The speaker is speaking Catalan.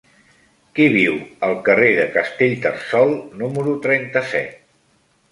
Qui viu al carrer de Castellterçol número trenta-set?